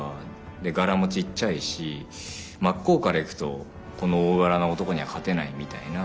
ガラもちっちゃいし真っ向から行くとこの大柄な男には勝てないみたいな。